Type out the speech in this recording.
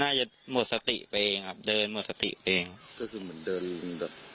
น่าจะหมดสติไปเองครับเดินหมดสติเองก็คือเหมือนเดินแบบ